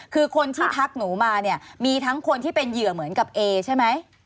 คือคนที่ทักหนูมาเนี่ยมีทั้งคนที่เป็นเหยื่อเหมือนกับเอใช่ไหม